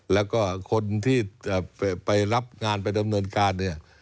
แล้วก็คนที่จะไปรับงานไปดำเนินการเนี่ย